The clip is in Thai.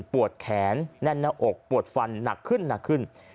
ปวดแขนแน่นหน้าอกปวดฟันหนักขึ้นหนักขึ้น